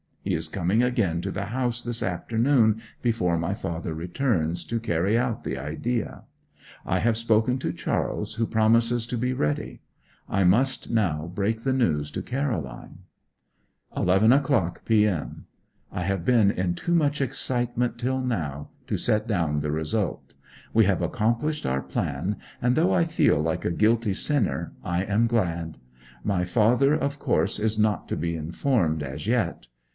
He is coming again to the house this afternoon before my father returns, to carry out the idea. I have spoken to Charles, who promises to be ready. I must now break the news to Caroline. 11 o'clock p.m. I have been in too much excitement till now to set down the result. We have accomplished our plan; and though I feel like a guilty sinner, I am glad. My father, of course, is not to be informed as yet.